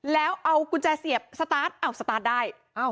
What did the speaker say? แล้วเอากุญแจเสียบสตาร์ทสตาร์ทได้